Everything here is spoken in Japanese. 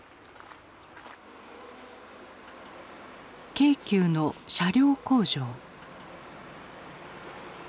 京急の車両工場。